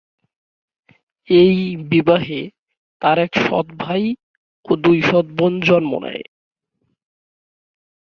এই বিবাহে তার এক সৎ ভাই ও দুই সৎ বোন জন্ম নেয়।